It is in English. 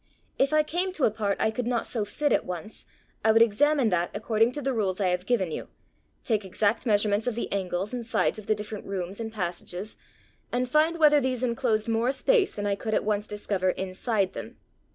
If I came to a part I could not so fit at once, I would examine that according to the rules I have given you, take exact measurements of the angles and sides of the different rooms and passages, and find whether these enclosed more space than I could at once discover inside them.